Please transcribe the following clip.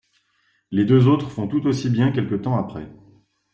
Les deux autres ' font tout aussi bien quelque temps après.